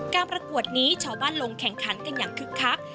ประกวดนี้ชาวบ้านลงแข่งขันกันอย่างคึกคัก